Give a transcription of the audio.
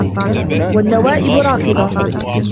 وَالنَّوَائِبَ رَاكِضَةٌ